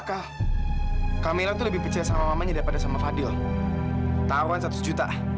kamu dipercaya sama aku